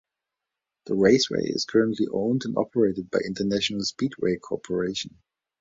The raceway is currently owned and operated by International Speedway Corporation.